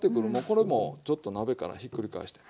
これもちょっと鍋からひっくり返して。